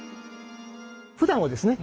ふだんはですね